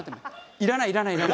いらないいらない！